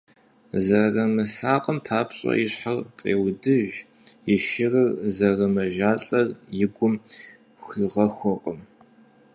Зэрымысакъам папщӀэ и щхьэр фӀеудыж, и шырыр зэрымэжалӀэр и гум хуигъэхуркъым.